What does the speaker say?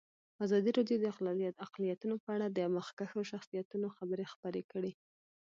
ازادي راډیو د اقلیتونه په اړه د مخکښو شخصیتونو خبرې خپرې کړي.